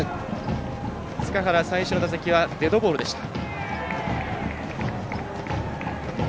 塚原、最初の打席はデッドボールでした。